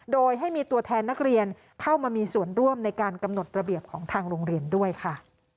โดยให้มีตัวแทนนักเรียนเข้ามามีส่วนร่วมในการกำหนดระเบียบของทางโรงเรียนด้วยค่ะ